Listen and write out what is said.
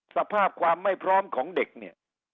สภาพความไม่พร้อมของเด็กเนี่ย